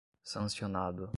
sancionado